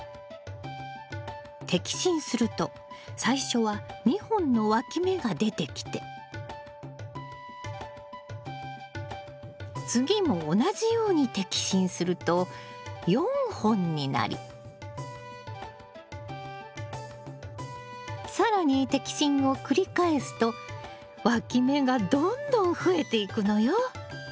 摘心すると最初は２本のわき芽が出てきて次も同じように摘心すると４本になり更に摘心を繰り返すとわき芽がどんどん増えていくのよ。